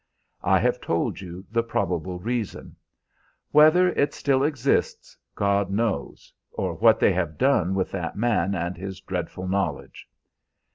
I have told you the probable reason. Whether it still exists, God knows or what they have done with that man and his dreadful knowledge.